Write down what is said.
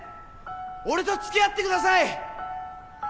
俺と付き合ってください！